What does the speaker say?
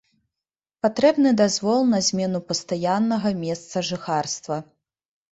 Патрэбны дазвол на змену пастаяннага месца жыхарства.